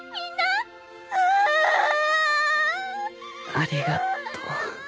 ありがとう。